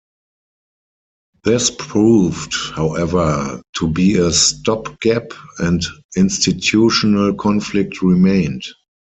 This proved, however, to be a stop-gap and institutional conflict remained.